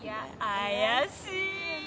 怪しいよね。